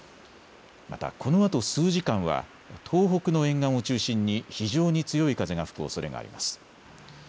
また、このあと数時間は東北の沿岸を中心に非常に強い風が吹くおそれがあります。